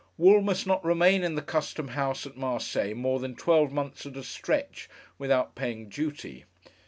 Wool must not remain in the Custom house at Marseilles more than twelve months at a stretch, without paying duty.